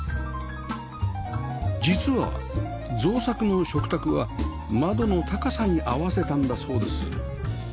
実は造作の食卓は窓の高さに合わせたんだそうです